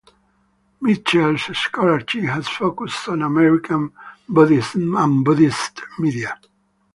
Mitchell’s scholarship has focused on American Buddhism and Buddhist media.